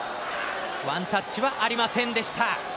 ワンタッチはありませんでした。